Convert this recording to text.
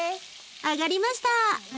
揚がりました！